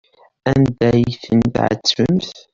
Anda ay ten-tɛettbemt?